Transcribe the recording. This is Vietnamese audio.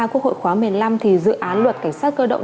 quốc hội khóa một mươi năm thì dự án luật cảnh sát cơ động